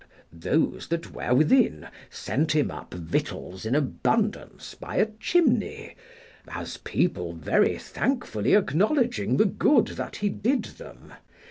Those that were within sent him up victuals in abundance by a chimney, as people very thankfully acknowledging the good that he did them.